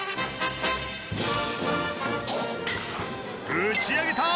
打ち上げた！